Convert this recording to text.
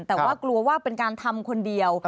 แต่ว่ากลัวว่าเป็นการทำคนเดียว